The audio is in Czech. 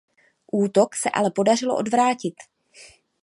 Útok se ale podařilo odvrátit.